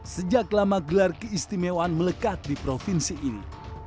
sejak lama gelar keistimewaan melekat di provinsi ini